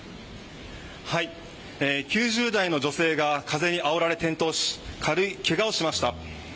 ９０代の女性が風にあおられ転倒し軽いけがをしました。